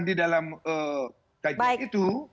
juga dikatakan di dalam kajian itu